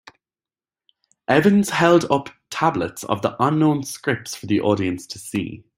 Evans held up tablets of the unknown scripts for the audience to see.